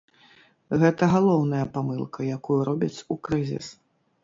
Гэта галоўная памылка, якую робяць у крызіс.